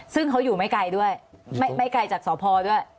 ซึ่งเขาอยู่ไม่ไกลด้วยไม่ไกลจากสพด้วย